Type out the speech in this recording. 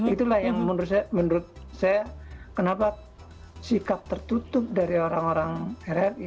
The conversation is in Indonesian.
itulah yang menurut saya menurut saya kenapa sikap tertutup dari orang orang rri